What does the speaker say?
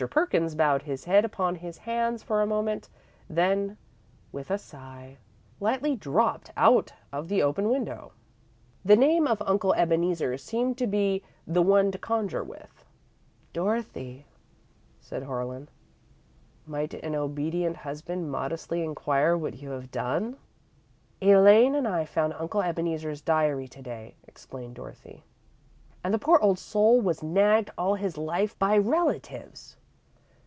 Perkins bowed his head upon his hands for a moment; then, with a sigh, lightly dropped out of the open window. The name of Uncle Ebeneezer seemed to be one to conjure with. "Dorothy," said Harlan, "might an obedient husband modestly inquire what you have done?" "Elaine and I found Uncle Ebeneezer's diary to day," explained Dorothy, "and the poor old soul was nagged all his life by relatives.